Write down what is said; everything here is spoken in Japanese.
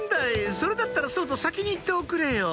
「それだったらそうと先に言っておくれよ」